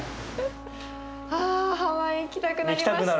あハワイ行きたくなりました。